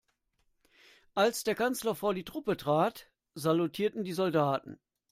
Als der Kanzler vor die Truppe trat, salutierten die Soldaten.